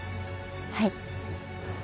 はい。